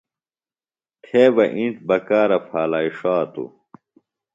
تھےۡ بہ اِنڇ بکارہ پھالائی ݜاتوۡ۔